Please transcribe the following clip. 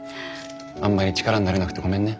あんまり力になれなくてごめんね。